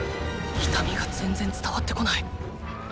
痛みが全然伝わってこない！